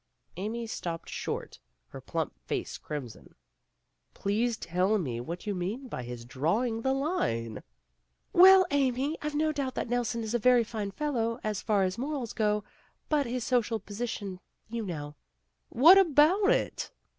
Amy stopped short, her plump face crimson. "Please tell me what you mean by his drawing the line?" "Well, Amy, Pve no doubt that Nelson is a very fine fellow, as far as morals go, but his social position, you know " "What about it?"